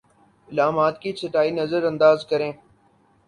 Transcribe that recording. علامات کی چھٹائی نظرانداز کریں